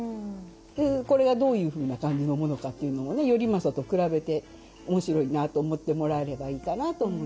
これがどういうふうな感じのものかっていうのもね「頼政」と比べて面白いなと思ってもらえればいいかなと思います。